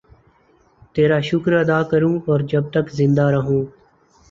تیرا شکر ادا کروں اور جب تک زندہ رہوں